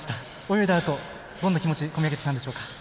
泳いだあと、どんな気持ちが込み上げてきたんでしょうか？